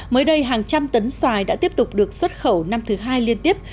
mới đây hàng trăm tấn xoài đã tiếp tục được xuất khẩu năm thứ hai liên tiếp